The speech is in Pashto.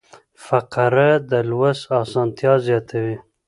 فقره د لوست اسانتیا زیاتوي.